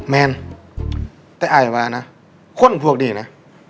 แมนแต่อายวานะคนพวกดีนะ